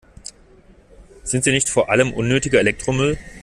Sind sie nicht vor allem unnötiger Elektromüll?